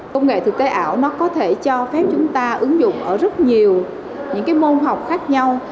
công nghệ thực tế ảo nó có thể cho phép chúng ta ứng dụng ở rất nhiều những môn học khác nhau